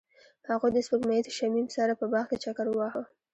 هغوی د سپوږمیز شمیم سره په باغ کې چکر وواهه.